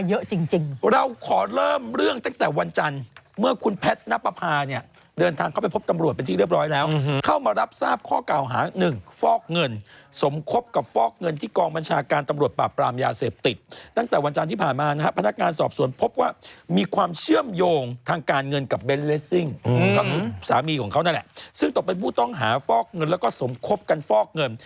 เยอะจริงเราขอเริ่มเรื่องตั้งแต่วันจันทร์เมื่อคุณแพทนปภาเนี่ยเดินทางเข้าไปพบตำรวจเป็นที่เรียบร้อยแล้วเข้ามารับทราบข้อเก่าหาหนึ่งฟอกเงินสมคบกับฟอกเงินที่กองบัญชาการตำรวจปราบปรามยาเสพติดตั้งแต่วันจันทร์ที่ผ่านมานะครับพนักงานสอบสวนพบว่ามีความเชื่อมโยงทางการเงินกับเ